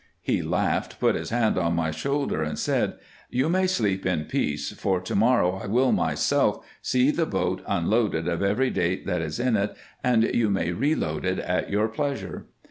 He laughed, put his hand on my shoulder, and said, " You may sleep in peace, for to morrow I will myself see the boat unloaded of every date that is in it, and you may re load it at your pleasure."